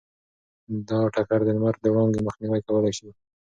دا ټکر د لمر د وړانګو مخنیوی کولی شي.